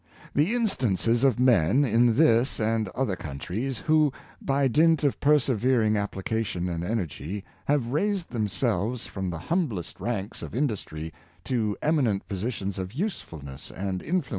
The instances of men, in this and other countries, vvho, by dint of persevering application and energy, have raised themselves from the humblest ranks of in dustry to eminent positions of usefulness and influence 172 ya?